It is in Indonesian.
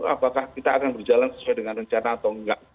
apakah kita akan berjalan sesuai dengan rencana atau enggak